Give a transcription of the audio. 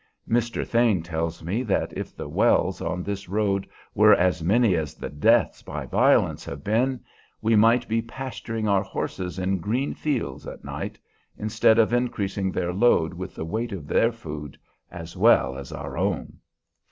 Mr. Thane tells me that if the wells on this road were as many as the deaths by violence have been, we might be pasturing our horses in green fields at night, instead of increasing their load with the weight of their food as well as our own.